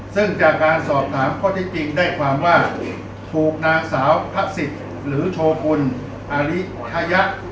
ซึ่งจากการสอบถามข้อที่จริงได้ความว่าถูกนางสาวพระศิษย์หรือโชกุลอาริพายะ